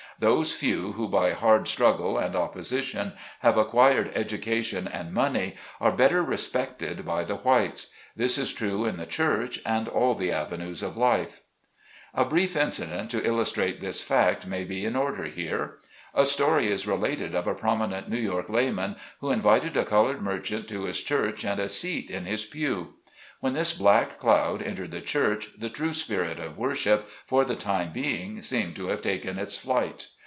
Those few who, by hard strug gle and opposition, have acquired education and money, are better respected by the whites. This is true in the church, and all the avenues of life, IN A VIRGINIA PULPIT. 85 A brief incident to illustrate this fact may be in order here. A story is related of a prominent New York lay man, who invited a colored merchant to his church and a seat in his pew. When this black cloud entered the church the true spirit of worship, for the time being, seemed to have taken its flight.